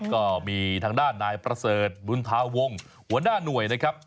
ก็มีทางด้านนายประเสริฐบุญธาวงศ์หัวหน้าหน่วยนะครับ